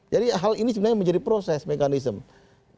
jadi hal ini sebenarnya menjadi proses mekanisme